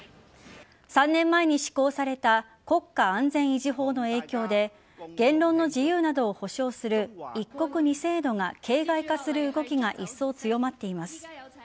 ３年前に施行された国家安全維持法の影響で言論の自由などを保障する一国二制度が形骸化する動きがいっそう強まっています。